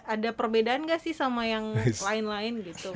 ada perbedaan nggak sih sama yang lain lain gitu misalnya